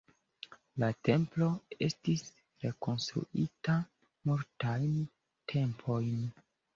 La templo estis rekonstruita multajn tempojn.